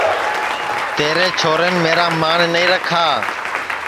تیرے چھورین میرا مان نائی راکھا